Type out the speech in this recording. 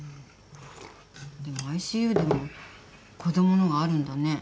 でもＩＣＵでも子供のがあるんだね。